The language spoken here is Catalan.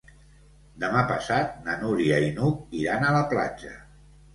Demà passat na Núria i n'Hug iran a la platja.